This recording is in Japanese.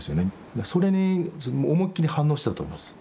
それに自分も思いっきり反応してたと思います。